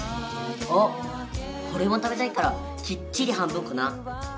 あっおれも食べたいからきっちり半分こな。